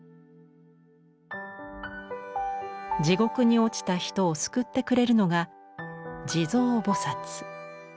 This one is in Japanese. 地獄に落ちた人を救ってくれるのが地蔵菩。